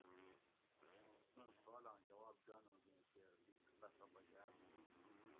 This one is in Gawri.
اِیں سوالاں جواب جانوگ ایں کیر لِیگ قصہ پکار تھُو